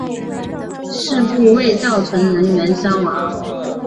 事故未造成人员伤亡。